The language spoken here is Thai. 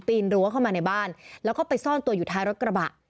รั้วเข้ามาในบ้านแล้วก็ไปซ่อนตัวอยู่ท้ายรถกระบะ